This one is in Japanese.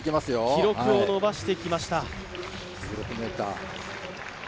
１６ｍ、記録を伸ばしてきました。